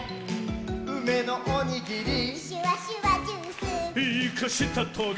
「うめのおにぎり」「シュワシュワジュース」「イカしたトゲ」